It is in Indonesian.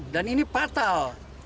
dan ini patal